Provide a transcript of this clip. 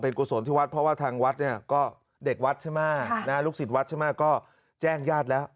ลูกสิทธิ์วัดใช่ไหมก็แจ้งญาติแล้ว